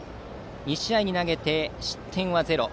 ２試合投げて失点はゼロ。